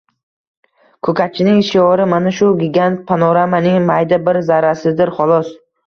Ko‘katchining shiori mana shu gigant panoramaning mayda bir zarrasidir, xolos.